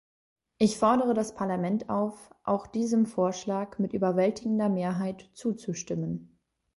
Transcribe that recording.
Ich fordere das Parlament auf, auch diesem Vorschlag mit überwältigender Mehrheit zuzustimmen.